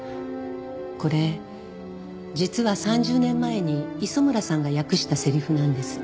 これ実は３０年前に磯村さんが訳したセリフなんです。